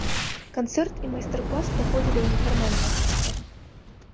Канцэрт і майстар-клас праходзілі ў нефармальнай атмасферы.